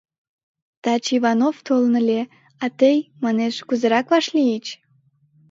— Таче Иванов толын ыле, а тый, манеш, кузерак вашлийыч?